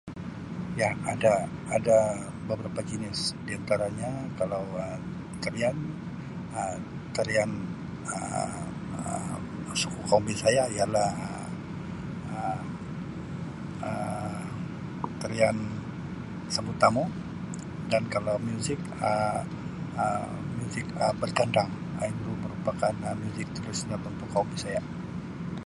Ya ada-ada beberapa jinis di antaranya kalau Um tarian Um tarian Um suku kaum bisaya ialah Um tarian sambut tamu dan kalau muzik Um muzik Um bertandang Um itu merupakan Um muzik tradisional untuk kaum bisaya.